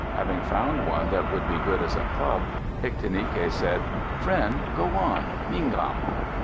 Having found one that would be good as a club, Ictinike said, "Friend, go on. _Mingam.